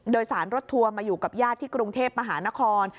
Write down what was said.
โดยสารรถทัวร์มาอยู่กับญาติที่กรุงเทพมหานคร